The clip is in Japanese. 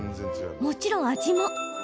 もちろん味も。